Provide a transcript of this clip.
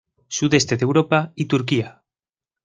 Sudeste de Europa y Turquía.